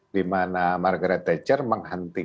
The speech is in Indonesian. di mana margaret thatcher menghentikan